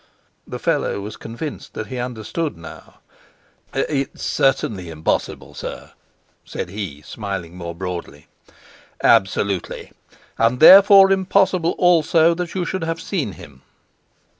The fellow was convinced that he understood now. "It's certainly impossible, sir," said he, smiling more broadly. "Absolutely. And therefore impossible also that you should have seen him."